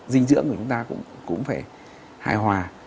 dinh dưỡng của chúng ta cũng phải hài hòa